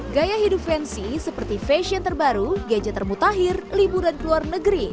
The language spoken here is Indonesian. gaya hidup fancy seperti fashion terbaru gadget termutahir libur dan keluar negeri